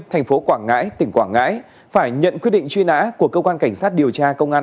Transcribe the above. thành phố quảng ngãi tỉnh quảng ngãi phải nhận quyết định truy nã của cơ quan cảnh sát điều tra công an